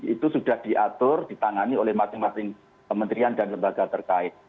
itu sudah diatur ditangani oleh masing masing kementerian dan lembaga terkait